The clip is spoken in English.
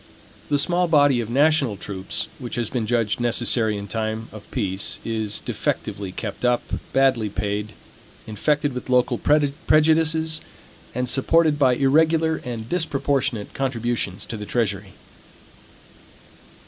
The small body of national troops, which has been judged necessary in time of peace, is defectively kept up, badly paid, infected with local prejudices, and supported by irregular and disproportionate contributions to the treasury.